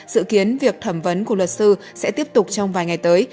dự kiến việc thẩm vấn của luật sư sẽ tiếp tục trong vài ngày tới